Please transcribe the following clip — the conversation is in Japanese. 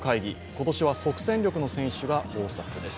今年は即戦力の選手が豊作です。